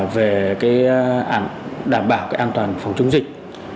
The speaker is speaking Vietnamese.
về đảm bảo an toàn phòng chống dịch